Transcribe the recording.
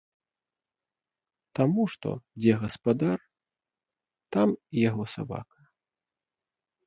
Таму што дзе гаспадар, там і яго сабака.